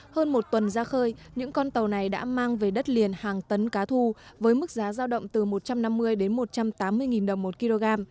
hơn một tuần ra khơi những con tàu này đã mang về đất liền hàng tấn cá thu với mức giá giao động từ một trăm năm mươi đến một trăm tám mươi đồng một kg